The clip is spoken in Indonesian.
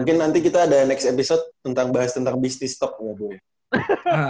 mungkin nanti kita ada next episode tentang bahas tentang business talk